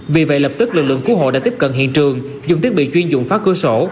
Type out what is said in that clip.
vì vậy lập tức lực lượng cứu hộ đã tiếp cận hiện trường dùng thiết bị chuyên dụng phá cửa sổ